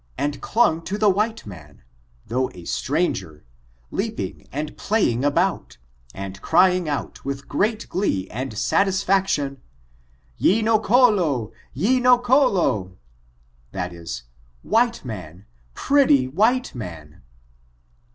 169 tnd clung to the white man, though a stranger, leap> ing and playing about, and crying out with great glee and satiafiftctioQ, ^Y9no coh, yo no colaF that isy pretty vfhUe man, pretty tokite man.